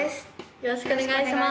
よろしくお願いします。